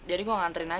jadi gue nganterin aja